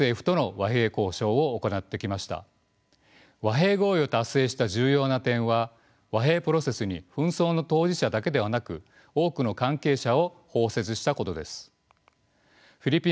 和平合意を達成した重要な点は和平プロセスに紛争の当事者だけではなく多くの関係者を包摂したことです。